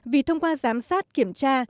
vì thông qua giám sát kiểm tra